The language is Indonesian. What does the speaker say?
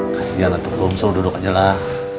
kasianlah tukgum selalu duduk aja lah